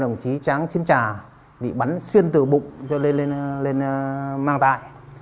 đồng chí tráng xín trà bị bắn xuyên từ bụng lên mang tài